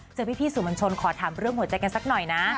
เจอพี่สื่อมวลชนขอถามเรื่องหัวใจกันสักหน่อยนะ